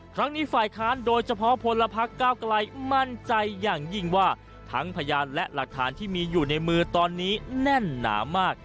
ครั้งนี้ฝ่ายค้านโดยเฉพาะพลพักก้าวไกลมั่นใจอย่างยิ่งว่าทั้งพยานและหลักฐานที่มีอยู่ในมือตอนนี้แน่นหนามาก